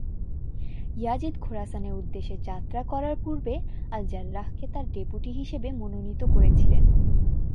Yazid খোরাসানের উদ্দেশ্যে যাত্রা করার পূর্বে আল-জাররাহকে তার ডেপুটি হিসেবে মনোনীত করেছিলেন।